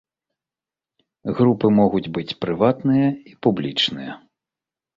Групы могуць быць прыватныя і публічныя.